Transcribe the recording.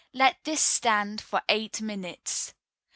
Let this stand for eight minutes.